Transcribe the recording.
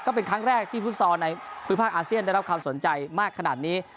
ก็เป็นครั้งแรกที่ฟุตซอลในภูมิภาคอาเซียนได้รับความสนใจมากขนาดนี้